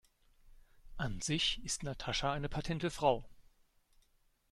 An sich ist Natascha eine patente Frau.